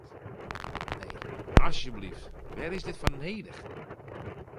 Nee, asjeblyft, wêr is dit foar nedich?